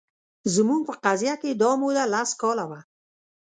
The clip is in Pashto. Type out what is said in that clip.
زموږ په قضیه کې دا موده لس کاله وه